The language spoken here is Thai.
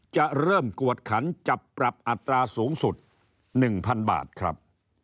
จะเริ่มกวดขันจับปรับอัตราสูงสุด๑๐๐๐บาทครับ